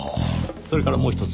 それからもうひとつ。